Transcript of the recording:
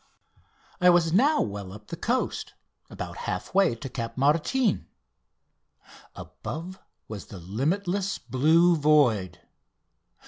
I was now well up the coast, about half way to Cap Martin. Above was the limitless blue void.